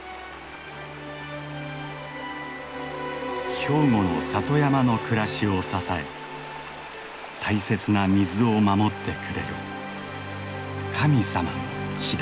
兵庫の里山の暮らしを支え大切な水を守ってくれる神様の木だ。